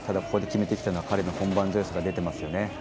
ここで決めてきたのは彼の本番強さが出ていますよね。